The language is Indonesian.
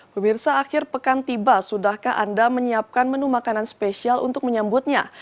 pemirsa akhir pekan tiba sudahkah anda menyiapkan menu makanan spesial untuk menyambutnya